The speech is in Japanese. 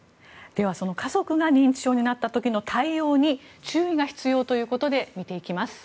家族が認知症になった時の対応に注意が必要ということで見ていきます。